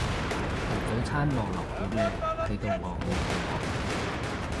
份早餐望落好靚睇到我好肚餓